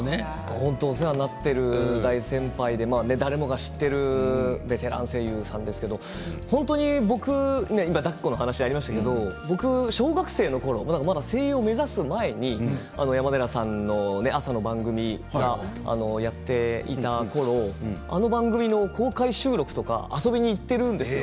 本当に、お世話になっている大先輩で誰もが知っているベテラン声優さんですけど今、だっこの話がありましたけど僕小学生のころ声優を目指す前に山寺さんの朝の番組をやっていたころあの番組の公開収録とか遊びに行っているんですよ。